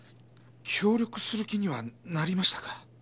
協力する気にはなりましたか？